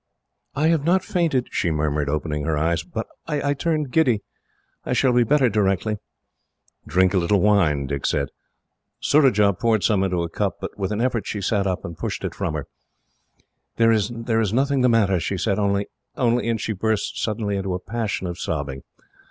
"I have not fainted," she murmured, opening her eyes, "but I turned giddy. I shall be better, directly." "Drink a little wine," Dick said. Surajah poured some into a cup, but with an effort she sat up, and pushed it from her. "There is nothing the matter," she said. "Only, only" and she burst suddenly into a passion of sobbing.